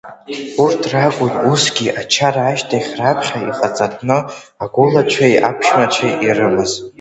Урҭ ракәын, усгьы, ачара ашьҭахь раԥхьа иҟаҵатәны агәылацәеи аԥшәмацәеи ирымаз.